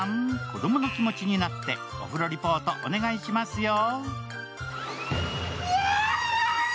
子供の気持ちになってお風呂リポート、お願いしますよ。